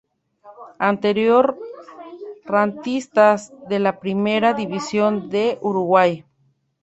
Anterior Rentistas de la Primera División de Uruguay.